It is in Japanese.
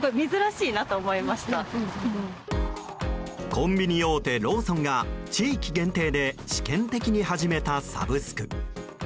コンビニ大手ローソンが地域限定で試験的に始めたサブスク。